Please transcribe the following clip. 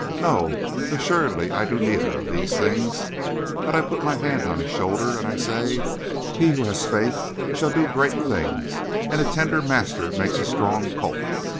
No, assuredly I do neither of these things, but I put my hand on his shoulder and I say: 'He who has faith shall do great things; and a tender master makes a strong colt.'